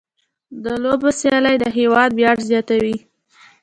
د لوبو سیالۍ د هېواد ویاړ زیاتوي.